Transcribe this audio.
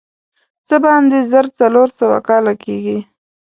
څه باندې زر څلور سوه کاله کېږي.